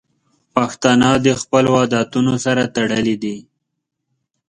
پښتانه د خپلو عادتونو سره تړلي دي.